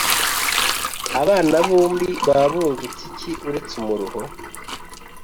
abana bombi baba bungutse iki uretse umuruho?